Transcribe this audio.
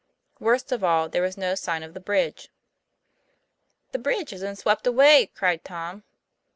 Worst of all, there was no sign of the bridge. ' The bridge has been swept away! ' cried Tom.